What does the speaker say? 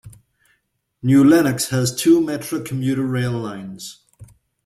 New Lenox has two Metra commuter rail lines.